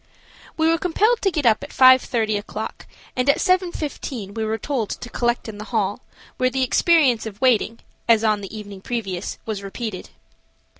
We were compelled to get up at 5.30 o'clock, and at 7.15 we were told to collect in the hall, where the experience of waiting, as on the evening previous, was repeated.